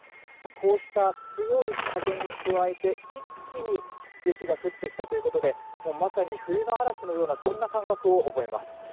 こうした強い風に加えて一気に雪が降ってきたということでまさに冬の嵐のようなそんな感覚を覚えます。